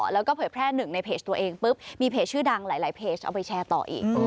แล้วก็เผยแพร่หนึ่งในเพจตัวเองปุ๊บมีเพจชื่อดังหลายเพจเอาไปแชร์ต่ออีก